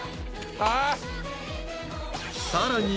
［さらに］